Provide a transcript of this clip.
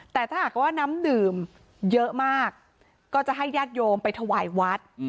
แต่ถ้าหากว่าน้ำดื่มเยอะมากก็จะให้ญาติโยมไปถวายวัด